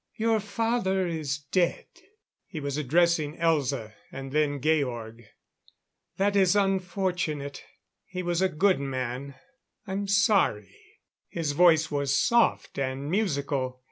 "Your father is dead." He was addressing Elza; and then Georg. "That is unfortunate. He was a good man. I'm sorry." His voice was soft and musical.